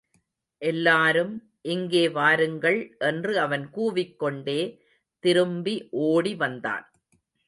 எல்லாரும் இங்கே வாருங்கள் என்று அவன் கூவிக்கொண்டே திரும்பி ஓடி வந்தான்.